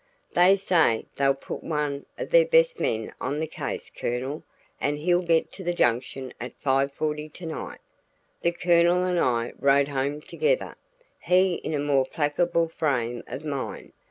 "They say they'll put one o' their best men on the case, Colonel, an' he'll get to the Junction at five forty tonight." The Colonel and I rode home together, he in a more placable frame of mind.